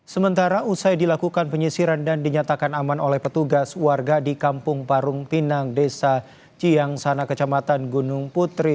sementara usai dilakukan penyisiran dan dinyatakan aman oleh petugas warga di kampung parung pinang desa ciyang sana kecamatan gunung putri